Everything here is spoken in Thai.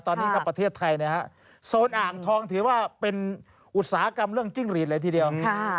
ตอนนี้ครับประเทศไทยนะฮะโซนอ่างทองถือว่าเป็นอุตสาหกรรมเรื่องจิ้งหลีดเลยทีเดียว